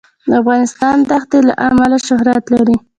افغانستان د ښتې له امله شهرت لري.